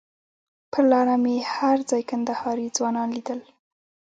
پر لاره مې هر ځای کندهاري ځوانان لیدل.